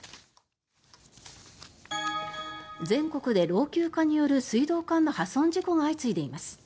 全国で老朽化による水道管の破損事故が相次いでいます。